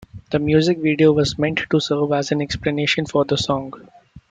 The music video was meant to serve as an explanation for the song.